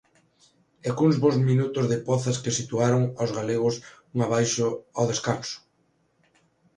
E cuns bos minutos de Pozas que situaron aos galegos un abaixo ao descanso.